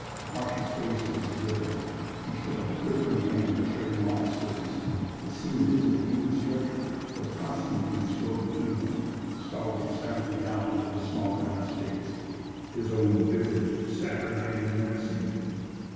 Marsh's face was livid; he shook a quivering hand in Cherry Malotte's face. It seemed as if he would strike her; but Constantine strode between them, scowling silently down into the smaller man's face, his own visage saturnine and menacing.